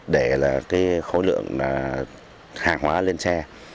để khối lượng hàng hóa lên xe